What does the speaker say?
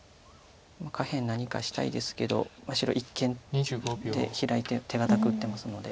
下辺何かしたいですけど白一間でヒラいて手堅く打ってますので。